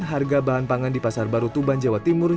harga bahan pangan di pasar baru tuban jawa timur